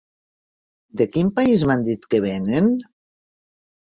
De quin país m'han dit que vénen?